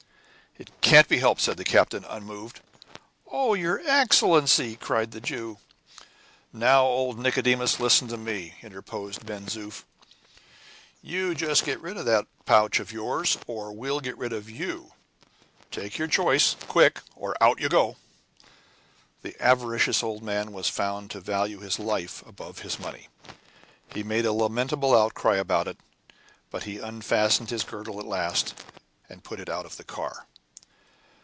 "It can't be helped," said the captain, unmoved. "Oh, your Excellency!" cried the Jew. "Now, old Nicodemus, listen to me," interposed Ben Zoof; "you just get rid of that pouch of yours, or we will get rid of you. Take your choice. Quick, or out you go!" The avaricious old man was found to value his life above his money; he made a lamentable outcry about it, but he unfastened his girdle at last, and put it out of the car.